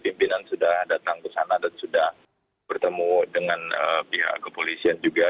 pimpinan sudah datang ke sana dan sudah bertemu dengan pihak kepolisian juga